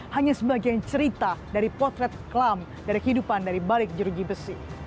hanya sebagian cerita dari potret kelam dari kehidupan dari balik jerugi besi